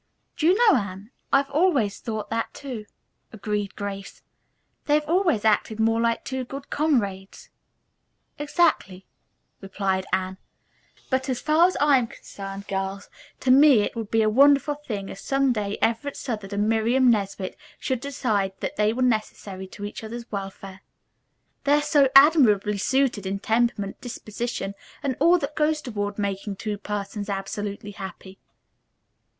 "Do you know, Anne, I've always thought that, too," agreed Grace. "They have always acted more like two good comrades." "Exactly," replied Anne, "but, as far as I am concerned, girls, to me it would be a wonderful thing if some day Everett Southard and Miriam Nesbit should decide that they were necessary to each other's welfare. They are so admirably suited in temperament, disposition, and all that goes toward making two persons absolutely happy."